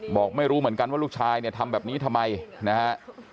บอกไม่รู้เหมือนกันว่าลูกชายเนี่ยทำแบบนี้ทำไมนะฮะ